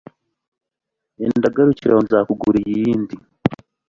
enda garukira aho nzakugurira iyindi